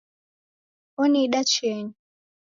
Oniida chienyi.